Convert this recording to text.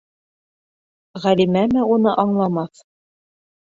Ғәлимәме уны аңламаҫ?